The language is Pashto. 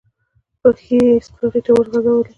پښې يې سپرغې ته وغزولې.